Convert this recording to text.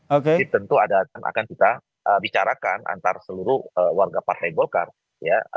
jadi tentu ada yang akan kita bicarakan antara seluruh warga partai golkar ya